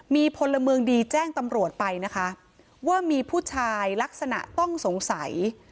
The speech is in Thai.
มีพลเมืองดีแจ้งตำรวจไปนะคะว่ามีผู้ชายลักษณะต้องสงสัย